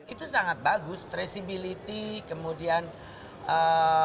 itu sangat bagus traceability kemudian ee